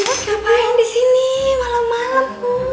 ibu ngapain disini malam malam